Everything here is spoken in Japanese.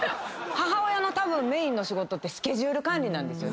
母親のメインの仕事ってスケジュール管理なんですよね。